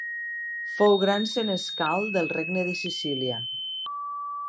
Fou gran senescal del regne de Sicília.